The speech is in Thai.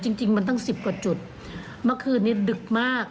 จริงจริงมันตั้งสิบกว่าจุดเมื่อคืนนี้ดึกมาก